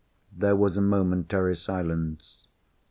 There was a momentary silence.